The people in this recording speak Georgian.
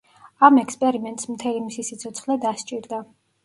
ამ ექსპერიმენტს მთელი მისი სიცოცხლე დასჭირდა.